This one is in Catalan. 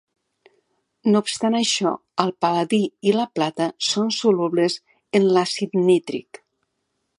No obstant això, el pal·ladi i la plata són solubles en l'àcid nítric.